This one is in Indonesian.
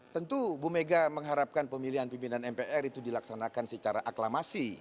tentu bu mega mengharapkan pemilihan pimpinan mpr itu dilaksanakan secara aklamasi